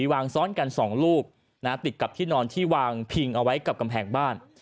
วางซ้อนกัน๒ลูกติดกับที่นอนที่วางพิงเอาไว้กับกำแพงบ้าน